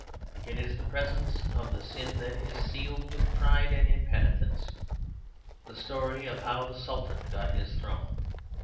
It is the presence of the sin that is sealed with pride and impenitence; the story of how the Sultan got his throne.